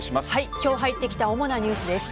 今日入ってきた主なニュースです。